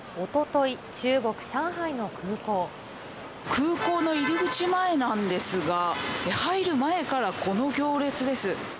空港の入り口前なんですが、入る前からこの行列です。